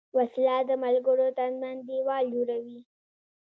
وسله د ملګرو تر منځ دیوال جوړوي